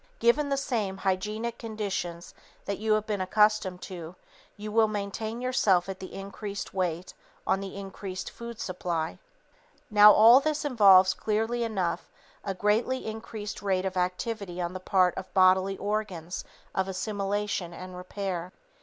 Given the same hygienic conditions that you have been accustomed to, you will maintain yourself at the increased weight on the increased supply of food. [Sidenote: Pygmies and Giants] Now, all this involves clearly enough a greatly increased rate of activity on the part of the bodily organs of assimilation and repair.